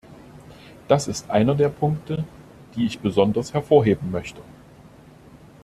Das ist einer der Punkte, die ich besonders hervorheben möchte.